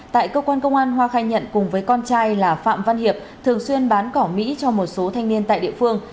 tại cơ quan công an hoa khai nhận cùng với con trai là phạm văn hiệp thường xuyên bán cỏ mỹ cho một số thanh niên tại địa phương